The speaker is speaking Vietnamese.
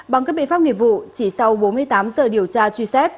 bằng các biện pháp nghiệp vụ chỉ sau bốn mươi tám giờ điều tra truy xét